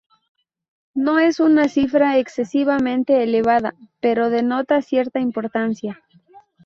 No es una cifra excesivamente elevada, pero denota cierta importancia.